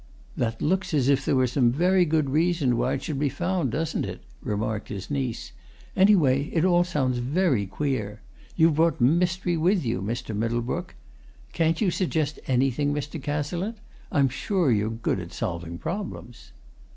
"That looks as if there were some very good reason why it should be found, doesn't it?" remarked his niece. "Anyway, it all sounds very queer you've brought mystery with you, Mr. Middlebrook! Can't you suggest anything, Mr. Cazalette? I'm sure you're good at solving problems."